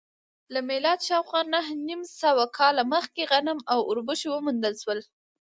له میلاده شاوخوا نهه نیم سوه کاله مخکې غنم او اوربشې وموندل شول